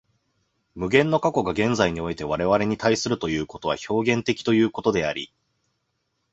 無限の過去が現在において我々に対するということは表現的ということであり、